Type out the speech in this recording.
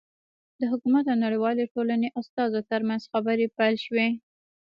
د حکومت او نړیوالې ټولنې استازو ترمنځ خبرې پیل شوې.